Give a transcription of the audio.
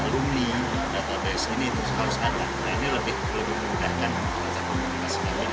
nah ini lebih mudah mudahan makanya komunikasi banyak mereka juga